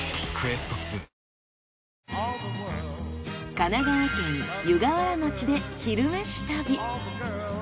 神奈川県湯河原町で「昼めし旅」。